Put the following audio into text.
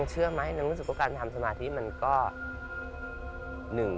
คือนั่ง๓ชั่วโมง